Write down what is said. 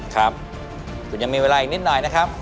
ครับคุณยังมีเวลาอีกนิดหน่อยนะครับ